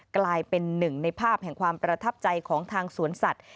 กลายเป็นหนึ่งในภาพแห่งความประทับใจของทางสวนสัตว